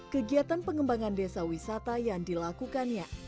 kegiatan pengembangan desa wisata yang dilakukannya